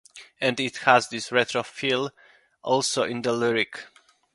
And it has this retro feel also in the lyric.